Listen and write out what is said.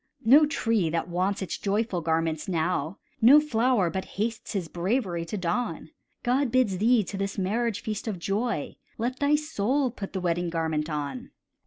No tree that wants its joyful garments now, No flower but hastes his bravery to don; God bids thee to this marriage feast of joy, Let thy soul put the wedding garment on.